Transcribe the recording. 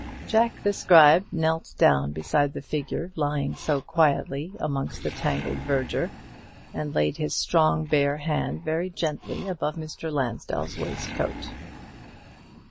Jack the Scribe knelt down beside the figure lying so quietly amongst the tangled verdure, and laid his strong bare hand very gently above Mr. Lansdell's waistcoat.